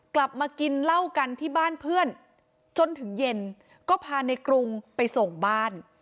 กลับมากินเหล้ากันที่บ้านเพื่อนจนถึงเย็นก็พาในกรุงไปส่งบ้าน